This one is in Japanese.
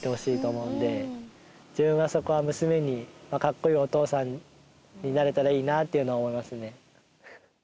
自分はそこは娘にカッコイイお父さんになれたらいいなっていうのは思いますね。